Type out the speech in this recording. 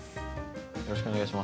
よろしくお願いします。